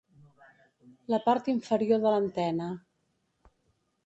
La part inferior de l'antena.